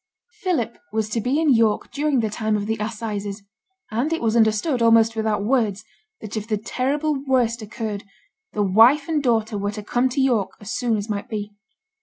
Philip was to be in York during the time of the assizes; and it was understood, almost without words, that if the terrible worst occurred, the wife and daughter were to come to York as soon as might be.